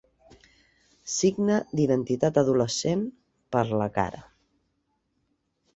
Signe d'identitat adolescent, per la cara.